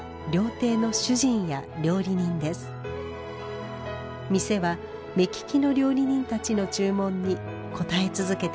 店は目利きの料理人たちの注文に応え続けてきました。